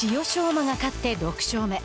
馬が勝って６勝目。